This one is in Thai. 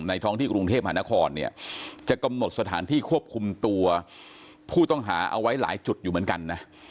ท้องที่กรุงเทพมหานครเนี่ยจะกำหนดสถานที่ควบคุมตัวผู้ต้องหาเอาไว้หลายจุดอยู่เหมือนกันนะ